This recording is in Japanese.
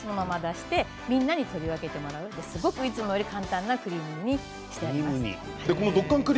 フライパンでそのまま出してみんなで取り分けてもらっていつもよりも簡単なクリーム煮にしてあります。